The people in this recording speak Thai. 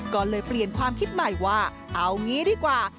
ก็เลยเปลี่ยนความคิดใหม่ว่าเอางี้ดีกว่า